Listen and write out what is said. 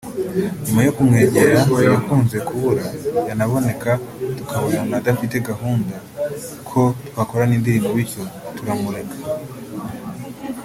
nyuma yo kumwegera uyu yakunze kubura yanaboneka tukabona adafite gahunda ko twakorana indirimbo bityo turamureka